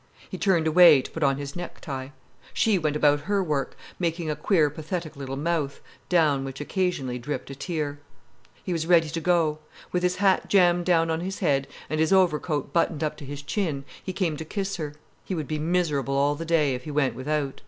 He turned away, to put on his necktie. She went about her work, making a queer pathetic little mouth, down which occasionally dripped a tear. He was ready to go. With his hat jammed down on his head, and his overcoat buttoned up to his chin, he came to kiss her. He would be miserable all the day if he went without.